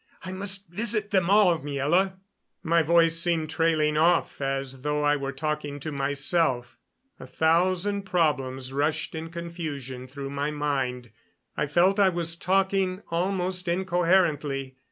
I must visit them all, Miela." My voice seemed trailing off as though I were talking to myself. A thousand problems rushed in confusion through my mind. I felt I was talking almost incoherently.